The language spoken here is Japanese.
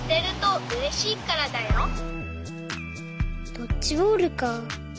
ドッジボールか。